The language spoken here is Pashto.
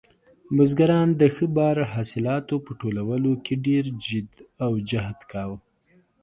بزګران د ښه بار حاصلاتو په ټولولو کې ډېر جد او جهد کاوه.